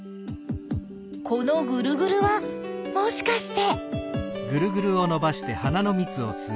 このぐるぐるはもしかして？